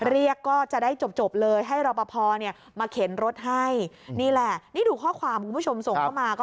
เรียกก็จะได้จบเลยให้รอปภเนี่ยมาเข็นรถให้นี่แหละนี่ดูข้อความคุณผู้ชมส่งเข้ามาก็